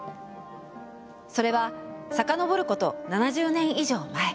それは遡ること７０年以上前。